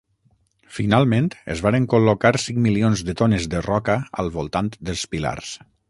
Finalment es varen col·locar cinc milions de tones de roca al voltant dels pilars.